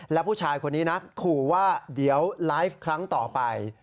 และผู้ชายคนนี้นะขู่ว่าเดี๋ยวไลฟ์ครั้งต่อไป